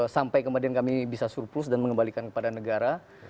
sampai kemudian kami bisa surplus dan mengembalikan kepada negara